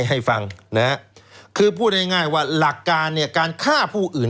ให้ฟังนะฮะคือพูดง่ายง่ายว่าหลักการเนี่ยการฆ่าผู้อื่น